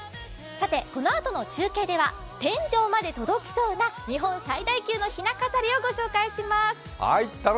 さてこのあとの中継では天井まで届きそうな日本最大級のひな飾りをお伝えします。